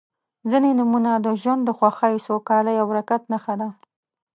•ځینې نومونه د ژوند د خوښۍ، سوکالۍ او برکت نښه ده.